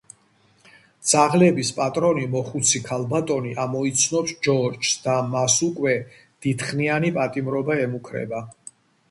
ძაღლების პატრონი მოხუცი ქალბატონი ამოიცნობს ჯორჯს და მას უკვე დიდხნიანი პატიმრობა ემუქრება.